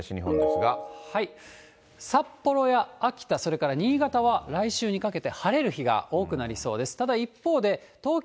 札幌や秋田、それから新潟は来週にかけて晴れる日が多くなりそうです。